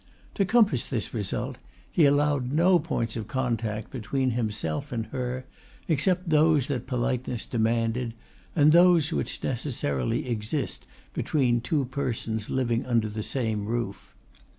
To compass this result, he allowed no points of contact between himself and her except those that politeness demanded, and those which necessarily exist between two persons living under the same roof.